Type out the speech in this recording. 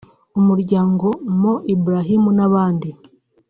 mu muryango Mo Ibrahim n’ahandi